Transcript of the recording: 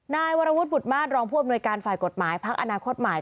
นายวรวุฒิบุตรมาสรองผู้อำนวยการฝ่ายกฎหมายพักอนาคตใหม่